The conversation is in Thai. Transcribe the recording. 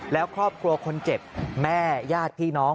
แล้วครอบครัวคนเจ็บแม่ญาติพี่น้อง